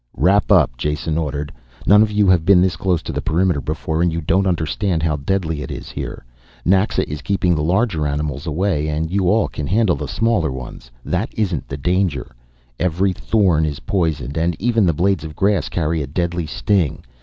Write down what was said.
"Wrap up," Jason ordered. "None of you have been this close to the perimeter before and you don't understand how deadly it is here. Naxa is keeping the larger animals away and you all can handle the smaller ones. That isn't the danger. Every thorn is poisoned, and even the blades of grass carry a deadly sting.